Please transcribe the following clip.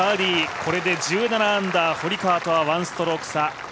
これで１７アンダー、堀川とは１ストローク差。